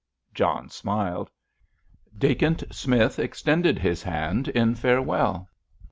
John smiled. Dacent Smith extended his hand in farewell.